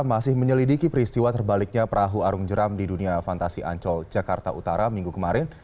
masih menyelidiki peristiwa terbaliknya perahu arung jeram di dunia fantasi ancol jakarta utara minggu kemarin